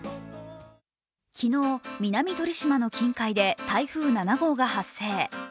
昨日、南鳥島の近海で台風７号が発生。